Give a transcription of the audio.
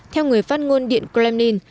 theo người phát ngôn điện kremlin